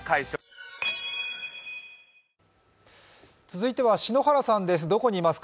続いては篠原さんです。